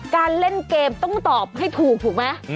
การเล่นเกมต้องตอบให้ถูกถูกไหม